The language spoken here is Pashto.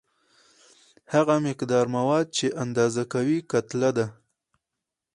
هغه مقدار مواد چې اندازه کوي کتله ده.